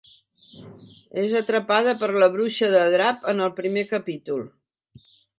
És atrapada per la Bruixa de Drap en el primer capítol.